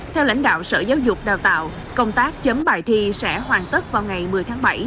theo lãnh đạo sở giáo dục đào tạo công tác chấm bài thi sẽ hoàn tất vào ngày một mươi tháng bảy